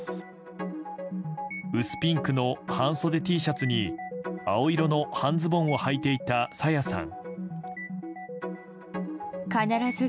薄ピンクの半袖Ｔシャツに青色の半ズボンをはいていた朝芽さん。